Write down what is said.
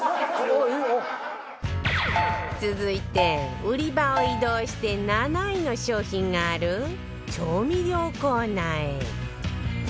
続いて売り場を移動して７位の商品がある調味料コーナーへ